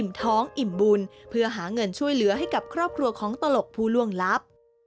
ท้องอิ่มบุญเพื่อหาเงินช่วยเหลือให้กับครอบครัวของตลกผู้ล่วงลับ